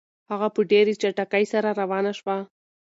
هغه په ډېرې چټکۍ سره روانه شوه.